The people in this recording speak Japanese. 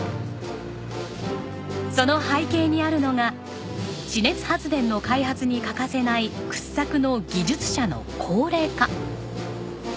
その背景にあるのが地熱発電の開発に欠かせない掘削の技術者の高齢化。